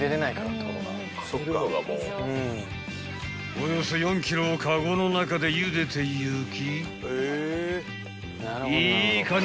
［およそ４ｋｇをカゴの中でゆでていき］